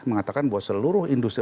mengatakan bahwa seluruh indonesia